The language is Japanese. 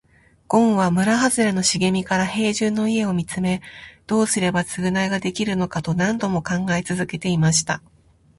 ごんは村はずれの茂みから兵十の家を見つめ、どうすれば償いができるのかと何度も考え続けていました。